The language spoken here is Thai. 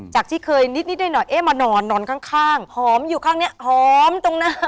จากที่เคยนิดหน่อยเอ๊ะมานอนนอนข้างหอมอยู่ข้างนี้หอมตรงหน้า